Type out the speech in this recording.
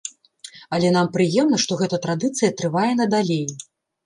Але нам прыемна, што гэта традыцыя трывае надалей.